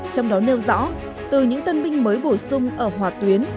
trong đó nêu rõ từ những tân binh mới bổ sung ở hòa tuyến